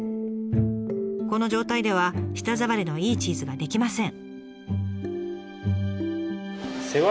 この状態では舌触りのいいチーズが出来ません。